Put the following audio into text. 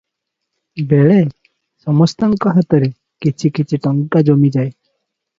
ବଳେ ସମସ୍ତଙ୍କ ହାତରେ କିଛି କିଛି ଟଙ୍କା ଜମିଯାଏ ।